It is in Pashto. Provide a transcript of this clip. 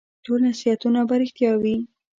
ټول نصیحتونه به رېښتیا وي ؟